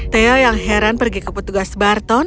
theo yang heran pergi ke petugas barton